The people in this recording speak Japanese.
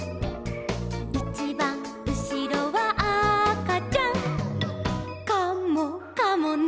「いちばんうしろはあかちゃん」「カモかもね」